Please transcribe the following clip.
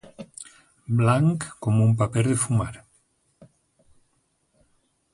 Blanc com un paper de fumar.